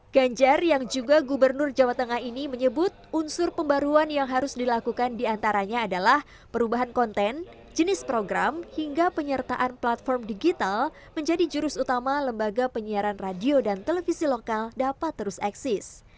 ganjar yang juga gubernur jawa tengah ini menyebut unsur pembaruan yang harus dilakukan diantaranya adalah perubahan konten jenis program hingga penyertaan platform digital menjadi jurus utama lembaga penyiaran radio dan televisi lokal dapat terus eksis